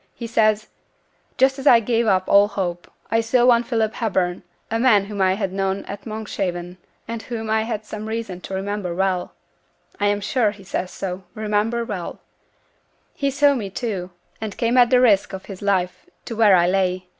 He says, "Just as I gave up all hope, I saw one Philip Hepburn, a man whom I had known at Monkshaven, and whom I had some reason to remember well" (I'm sure he says so "remember well"), "he saw me too, and came at the risk of his life to where I lay.